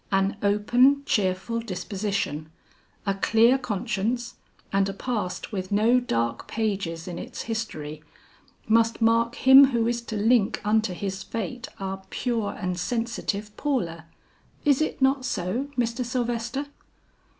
"An open, cheerful disposition, a clear conscience and a past with no dark pages in its history, must mark him who is to link unto his fate our pure and sensitive Paula. Is it not so, Mr. Sylvester?"